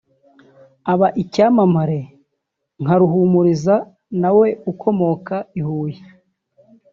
akaba icyamamare nka Ruhumuriza na we ukomoka i Huye